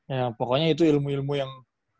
ya pokoknya itu ilmu ilmu yang